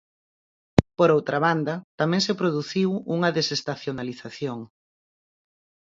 Por outra banda, tamén se produciu unha desestacionalización.